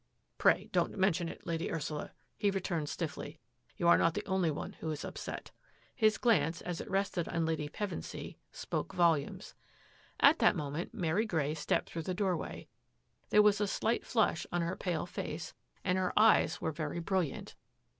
" Pray don^t mention it, Lady Ursula," he re turned stiffly. " You are not the only one who is upset." His glance, as it rested on Lady Pevensy, spoke volumes. At that moment Mary Grey stepped through the doorway. There was a slight flush on her pale face and her eyes were very brilliant.